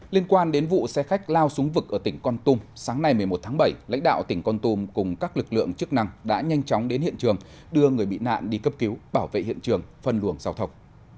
liên quan đến vụ xe khách lao súng vực ở tỉnh con tum sáng nay một mươi một tháng bảy lãnh đạo tỉnh con tum cùng các lực lượng chức năng đã nhanh chóng đến hiện trường đưa người bị nạn đi cấp cứu bảo vệ hiện trường phân luồng giao thông